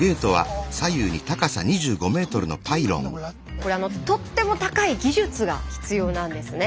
これとっても高い技術が必要なんですね。